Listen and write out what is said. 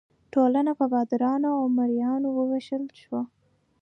ټولنه په بادارانو او مرئیانو وویشل شوه.